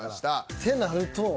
ってなると。